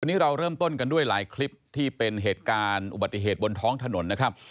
วันนี้เราเริ่มต้นกันด้วยหลายคลิปที่เป็นเหตุการณ์อุบัติเหตุบนท้องถนนนะครับ